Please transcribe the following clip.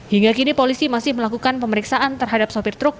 hingga kini polisi masih melakukan pemeriksaan terhadap sopir truk